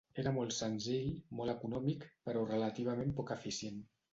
Era molt senzill, molt econòmic però relativament poc eficient.